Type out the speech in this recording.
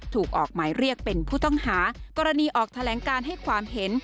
ออกหมายเรียกเป็นผู้ต้องหากรณีออกแถลงการให้ความเห็น